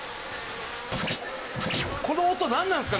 この音何なんすか？